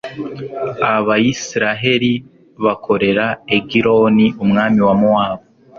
abayisraheli bakorera egiloni, umwami wa mowabu